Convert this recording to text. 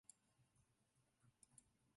位于吉安市东北部。